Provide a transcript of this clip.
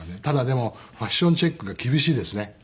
ただでもファッションチェックが厳しいですね。